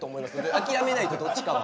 諦めないとどっちかは。